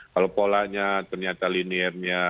kalau polanya ternyata liniernya